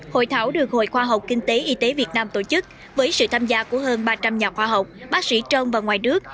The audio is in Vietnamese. hội thảo được hội khoa học kinh tế y tế việt nam tổ chức với sự tham gia của hơn ba trăm linh nhà khoa học bác sĩ trong và ngoài nước